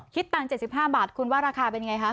คิดตังค์๗๕บาทคุณว่าราคาเป็นไงคะ